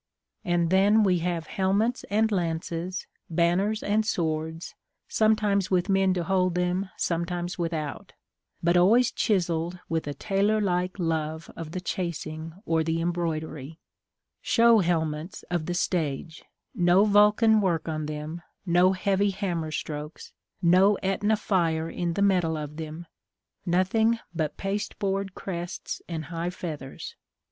And then we have helmets and lances, banners and swords, sometimes with men to hold them, sometimes without; but always chiselled with a tailor like love of the chasing or the embroidery, show helmets of the stage, no Vulcan work on them, no heavy hammer strokes, no Etna fire in the metal of them, nothing but pasteboard crests and high feathers.